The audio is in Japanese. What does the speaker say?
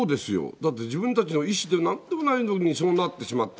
だって自分たちの意思でなんでもないのにそうなってしまった。